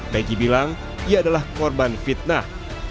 begi bilang ia adalah korban fitnah